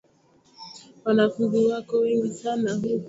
wanafunzi wako wengi sana huku